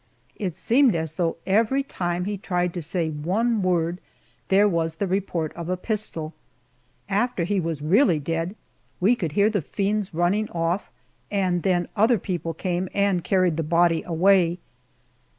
It seemed as though every time he tried to say one word, there was the report of a pistol. After he was really dead we could hear the fiends running off, and then other people came and carried the body away.